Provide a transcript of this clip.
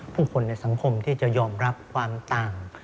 ผู้คนในสังคมที่จะยอมรับความต่าง